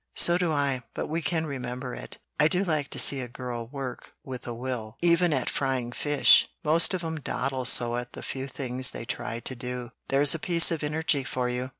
"So do I, but we can remember it. I do like to see a girl work with a will, even at frying fish. Most of 'em dawdle so at the few things they try to do. There's a piece of energy for you!"